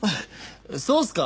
そうっすか？